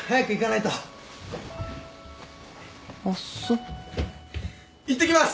いってきます！